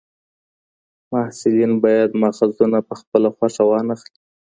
محصلین باید ماخذونه په خپله خوښه وانخلي.